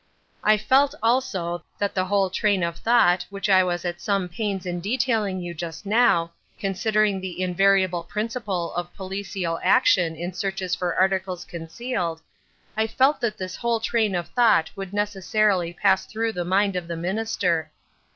I felt, also, that the whole train of thought, which I was at some pains in detailing to you just now, concerning the invariable principle of policial action in searches for articles concealed—I felt that this whole train of thought would necessarily pass through the mind of the Minister.